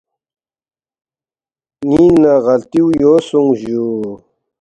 ”نِ٘ینگ نہ غلطیُو یو سونگس جُو